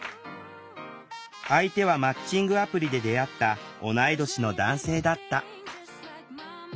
相手はマッチングアプリで出会った同い年の男性だった。